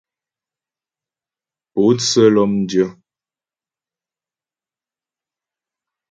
Pótsə́ lɔ́mdyə́.